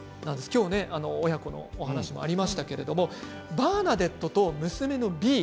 今日親子の話もありましたけれどバーナデットと娘のビー